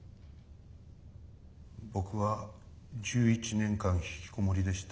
僕は１１年間ひきこもりでした。